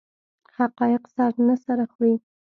حقایق سر نه سره خوري.